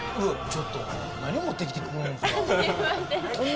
ちょっと何を持ってきてくれるんですかすみません